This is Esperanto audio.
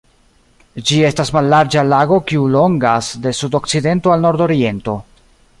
Ĝi estas mallarĝa lago kiu longas de sudokcidento al nordoriento.